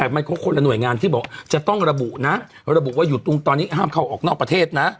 แต่มันก็คนละหน่วยงานที่บอกจะต้องระบุนะระบุว่าอยู่ตรงตอนนี้ห้ามเข้าออกนอกประเทศนะ